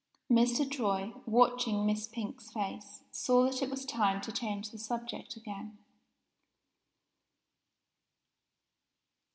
Mr. Troy, watching Miss Pink's face, saw that it was time to change the subject again.